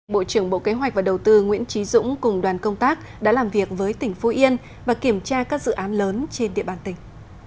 bộ trưởng bộ kế hoạch và đầu tư nguyễn trí dũng cùng đoàn công tác đã làm việc với tỉnh phú yên và kiểm tra các dự án lớn trên địa bàn tỉnh